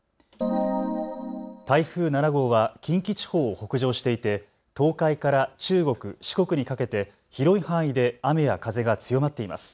台風７号は近畿地方を北上していて東海から中国、四国にかけて広い範囲で雨や風が強まっています。